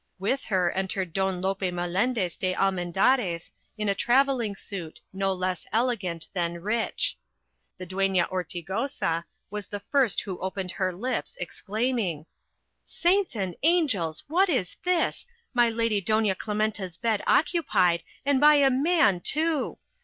With her entered Don Lope Melendez de Almendarez in a travelling suit, no less elegant than rich. The dueña Hortigosa was the first who opened her lips, exclaiming, "Saints and angels, what is this! My lady Doña Clementa's bed occupied, and by a man too!